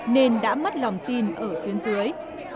nên đã mất lòng tin ở tuyến dưới